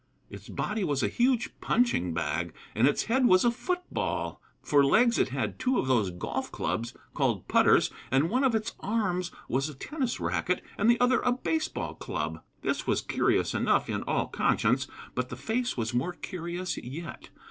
Its body was a huge punching bag, and its head was a foot ball. For legs it had two of those golf clubs called "putters," and one of its arms was a tennis racket and the other a base ball club. This was curious enough, in all conscience; but the face was more curious yet.